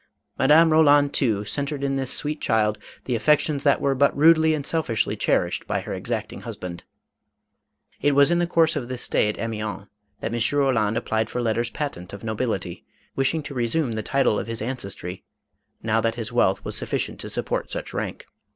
Madame Roland too, centred in this sweet child the affections that were but rudely and selfishly cherished by her exacting husband. I^ was in the course of this stay at Amiens, that M. Roland applied for letters patent of nobility, wishing to resume the title of his ancestry now that his wealth was sufficient to support such rank.